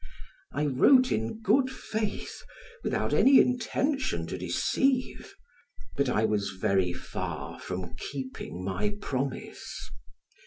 I wrote in good faith, without any intention to deceive, but I was very far from keeping my promise.